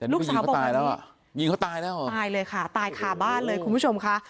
ลูกสาวบอกตายแล้วอ่ะยิงเขาตายแล้วเหรอตายเลยค่ะตายขาบ้านเลยคุณผู้ชมค่ะ